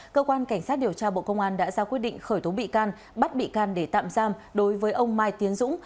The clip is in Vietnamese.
cơ quan cảnh sát điều tra bộ công an đã ra quyết định khởi tố bị can bắt bị can để tạm giam đối với ông mai tiến dũng